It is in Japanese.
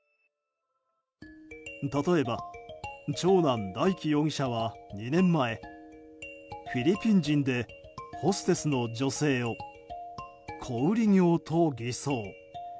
例えば、長男・大祈容疑者は２年前フィリピン人でホステスの女性を小売業と偽装。